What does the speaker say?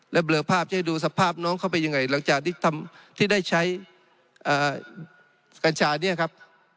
แล้วเบลอภาพจะให้ดูสภาพน้องเข้าไปยังไงหลังจากที่ได้ใช้กัญชาเนี่ยครับ